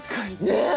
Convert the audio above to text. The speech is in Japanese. ねえ？